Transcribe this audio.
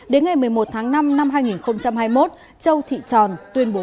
đến ngày một mươi một tháng năm năm hai nghìn hai mươi một châu thị tròn tuyên bố